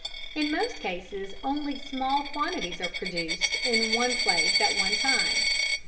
In most cases only small quantities are produced in one place at one time.